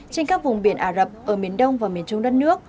trên các vùng biển ả rập ở miền đông và miền trung đất nước